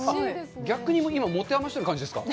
逆に今、もてあましてる感じですか？